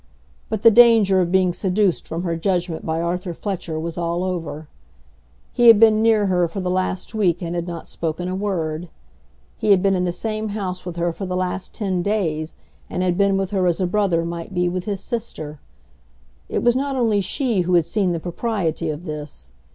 But the danger of being seduced from her judgment by Arthur Fletcher was all over. He had been near her for the last week and had not spoken a word. He had been in the same house with her for the last ten days and had been with her as a brother might be with his sister. It was not only she who had seen the propriety of this.